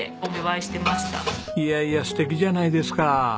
いやいや素敵じゃないですか。